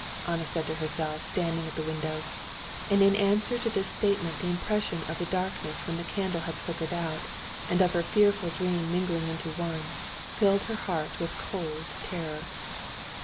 Anna said to herself, standing at the window; and in answer to this statement the impression of the darkness when the candle had flickered out, and of her fearful dream mingling into one, filled her heart with cold terror.